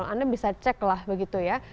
anda bisa ceklah begitu ya